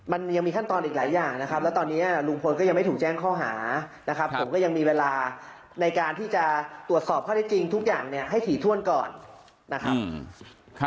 มันยังมีขั้นตอนอีกหลายอย่างนะครับแล้วตอนนี้ลุงพลก็ยังไม่ถูกแจ้งข้อหานะครับผมก็ยังมีเวลาในการที่จะตรวจสอบข้อได้จริงทุกอย่างเนี่ยให้ถี่ถ้วนก่อนนะครับ